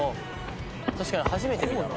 確かに初めて見たな。